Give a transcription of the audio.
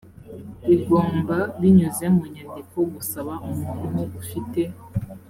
igomba binyuze mu nyandiko gusaba umuntu ufite